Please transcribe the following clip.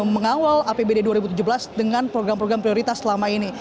mengawal apbd dua ribu tujuh belas dengan program program prioritas selama ini